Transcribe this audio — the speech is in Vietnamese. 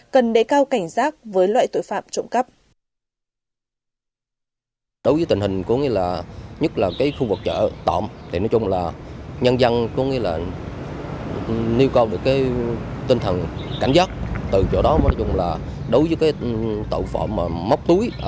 cần đề cao cảnh giác với loại tội phạm trộm cắp